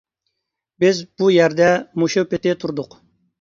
بىز بۇ يەردە مۇشۇ پېتى تۇردۇق.